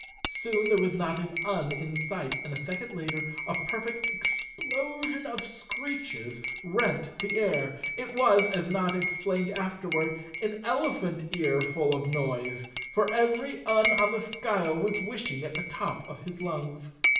Soon there was not an Un in sight and a second later a perfect explosion of screeches rent the air!§| It was, as Notta explained afterward, an elephant ear full of noise, for every Un on the skyle was wishing at the top of his lungs.